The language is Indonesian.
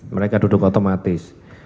mereka duduk otomatis